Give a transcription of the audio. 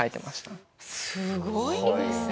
すごいですね。